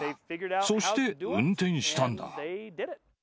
そして運転したんだ。